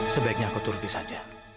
sebaiknya aku turuti saja